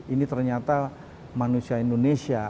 ini ternyata manusia indonesia